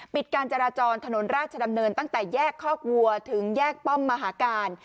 การจราจรถนนราชดำเนินตั้งแต่แยกคอกวัวถึงแยกป้อมมหาการ